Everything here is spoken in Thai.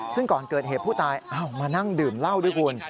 ซึ่งก่อนเกิดเหตุผู้ตายมานั่งดื่มเหล้าด้วยคุณ